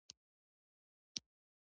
له چای سره یادونه را ژوندی کېږي.